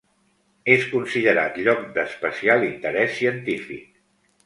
És considerat lloc d'especial interès científic.